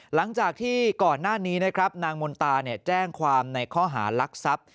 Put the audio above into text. หลังจากที่ก่อนหน้านี้นะครับนางมนตาแจ้งความในข้อหารักทรัพย์